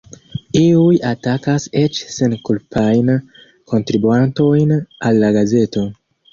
Iuj atakas eĉ senkulpajn kontibuantojn al la gazeto.